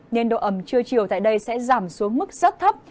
nên độ ẩm trưa chiều tại đây sẽ giảm xuống mức rất thấp